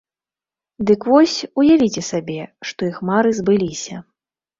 Дык вось, уявіце сабе, што іх мары збыліся.